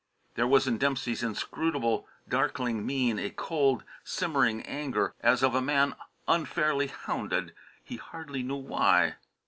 There was in Dempsey's inscrutable, darkling mien a cold, simmering anger, as of a man unfairly hounded, he hardly knew why.